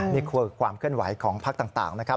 นี่คือความเคลื่อนไหวของพักต่างนะครับ